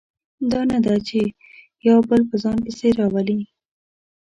دا نه ده چې یو بل په ځان پسې راولي.